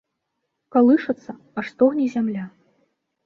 Калышацца, аж стогне зямля.